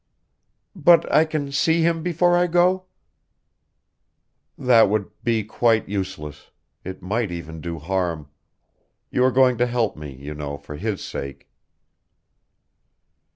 "But I can see him before I go?" "That would be quite useless. It might even do harm. You are going to help me, you know, for his sake."